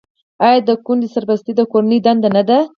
آیا د کونډې سرپرستي د کورنۍ دنده نه ده؟